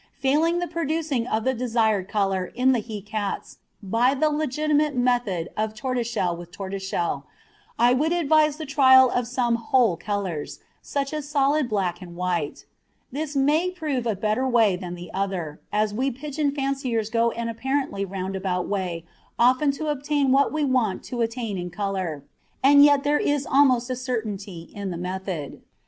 Failing the producing of the desired colour in the he cats by the legitimate method of tortoiseshell with tortoiseshell, I would advise the trial of some whole colours, such as solid black and white. This may prove a better way than the other, as we pigeon fanciers go an apparently roundabout way often to obtain what we want to attain in colour, and yet there is almost a certainty in the method.